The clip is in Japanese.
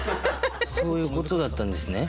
そういうことだったんですね？